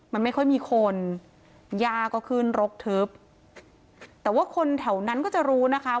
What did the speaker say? มันไม่ค่อยมีคนย่าก็ขึ้นรกทึบแต่ว่าคนแถวนั้นก็จะรู้นะคะ